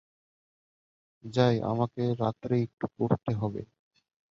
যাই, আমাকে রাত্রে একটু পড়তে হবে।